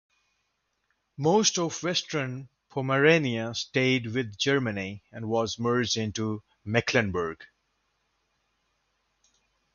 Most of Western Pomerania stayed with Germany and was merged into Mecklenburg.